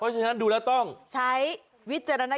เจอกับตัว